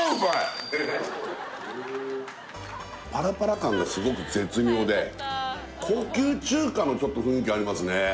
パラパラ感がすごく絶妙で高級中華のちょっと雰囲気ありますね